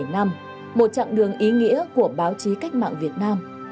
chín mươi bảy năm một chặng đường ý nghĩa của báo chí cách mạng việt nam